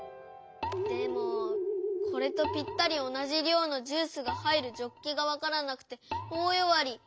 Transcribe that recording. でもこれとぴったりおなじりょうのジュースが入るジョッキがわからなくておおよわり。